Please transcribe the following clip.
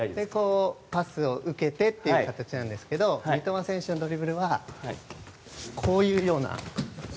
パスを受けてという形なんですが三笘選手のドリブルはこういうような。